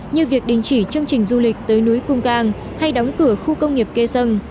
như việc đình chỉ chương trình du lịch tới núi cung cang hay đóng cửa khu công nghiệp kê sân